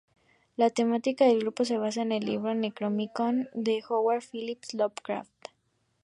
La temática del grupo se basa en el libro Necronomicón de Howard Philips Lovecraft.